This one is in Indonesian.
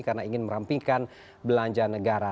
karena ingin merampingkan belanja negara